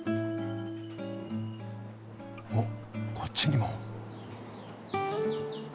おこっちにも。